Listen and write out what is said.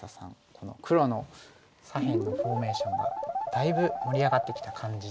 この黒の左辺のフォーメーションがだいぶ盛り上がってきた感じに。